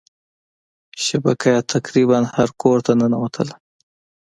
شبکه یې تقريبا هر کورته ننوتله.